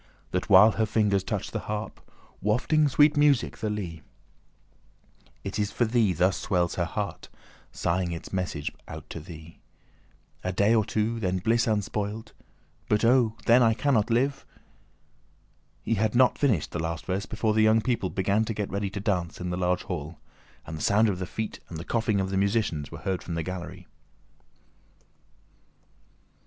That while her fingers touch the harp Wafting sweet music o'er the lea, It is for thee thus swells her heart, Sighing its message out to thee... A day or two, then bliss unspoilt, But oh! till then I cannot live!... He had not finished the last verse before the young people began to get ready to dance in the large hall, and the sound of the feet and the coughing of the musicians were heard from the gallery.